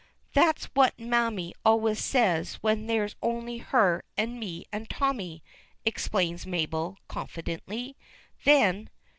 "That's what mammy always says when there's only her and me and Tommy," explains Mabel, confidentially. Then.